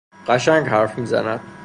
قشنگ حرف میزند!